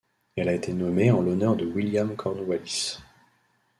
Elle a été nommée en l’honneur de William Cornwallis.